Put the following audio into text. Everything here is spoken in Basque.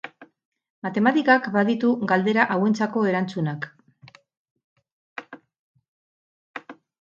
Matematikak baditu galdera hauentzako erantzunak.